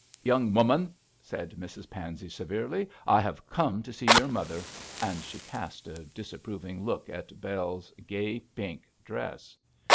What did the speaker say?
'Young woman,' said Mrs Pansey, severely, 'I have come to see your mother,' and she cast a disapproving look on Bell's gay pink dress.